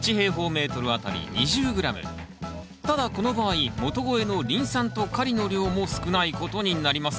ただこの場合元肥のリン酸とカリの量も少ないことになります。